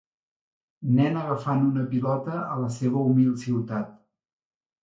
Nen agafant una pilota a la seva humil ciutat.